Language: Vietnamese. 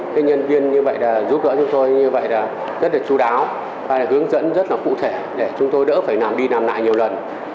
cái nhân viên như vậy là giúp đỡ chúng tôi như vậy là rất là chú đáo hay là hướng dẫn rất là cụ thể để chúng tôi đỡ phải làm đi làm lại nhiều lần